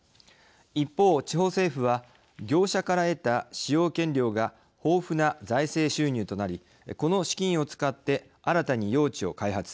一方、地方政府は業者から得た使用権料が豊富な財政収入となりこの資金を使って新たに用地を開発。